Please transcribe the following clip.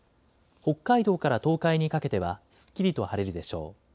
北海道から東海にかけてはすっきりと晴れるでしょう。